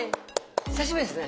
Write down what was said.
久しぶりですね。